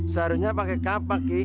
seharusnya pakai kapak ki